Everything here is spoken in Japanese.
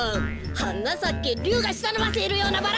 「はなさけりゅうがしたをのばしてるようなバラ」